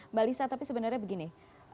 mbak lisa tapi sebenarnya begini